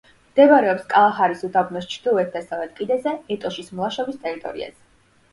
მდებარეობს კალაჰარის უდაბნოს ჩრდილოეთ-დასავლეთ კიდეზე, ეტოშის მლაშობის ტერიტორიაზე.